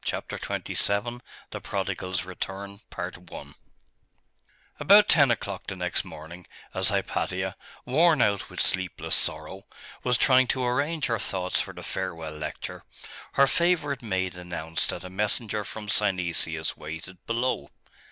CHAPTER XXVII: THE PRODIGAL'S RETURN About ten o'clock the next morning, as Hypatia, worn out with sleepless sorrow, was trying to arrange her thoughts for the farewell lecture, her favourite maid announced that a messenger from Synesius waited below.